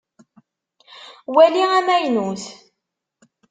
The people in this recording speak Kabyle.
Wali amaynut!